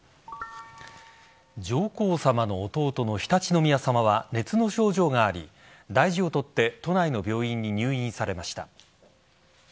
上皇さまの弟の常陸宮さまは熱の症状があり大事を取って都内の病院に入院されました。